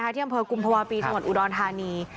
ที่อำเภอกุมภาวะปีจังหวัดอุดรธานี